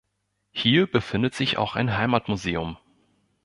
Hier befindet sich auch ein Heimatmuseum.